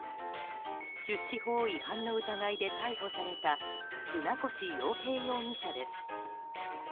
出資法違反の疑いで逮捕された船越洋平容疑者です。